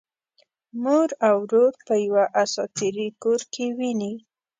مور او ورور په یوه اساطیري کور کې ويني.